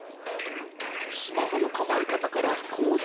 スマホの構え方から構図